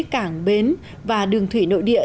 cảng bến và đường thủy nội địa